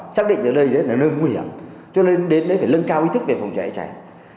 xác định cái lơi đấy là nơi nguy hiểm cho nên đến đấy phải nâng cao ý thức về phòng cháy cháy